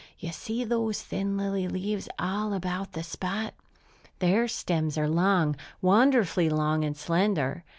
You see those thin lily leaves all about the spot? Their stems are long, wonderfully long and slender.